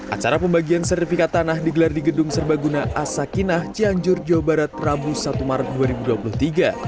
acara pembagian sertifikat tanah digelar di gedung serbaguna asakinah cianjur jawa barat rabu satu maret dua ribu dua puluh tiga